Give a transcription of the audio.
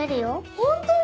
ホントに？